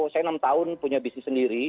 saya enam tahun punya bisnis sendiri